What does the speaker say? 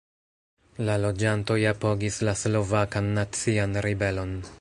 La loĝantoj apogis la Slovakan Nacian Ribelon.